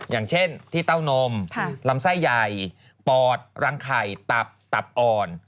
อย่างเช่นที่เต้านมลำไส้ใหญ่ปอดรังไข่ตับตับอ่อน